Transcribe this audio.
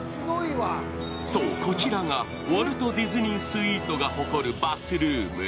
そう、こちらがウォルト・ディズニー・スイートが誇るバスルーム。